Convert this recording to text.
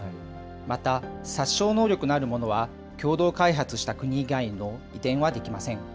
また、殺傷能力のあるものは、共同開発した国以外の移転はできません。